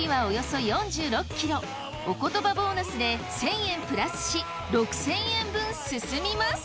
おことばボーナスで１，０００円プラスし６，０００円分進みます。